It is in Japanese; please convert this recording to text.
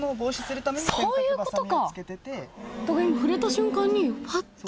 そういうことか。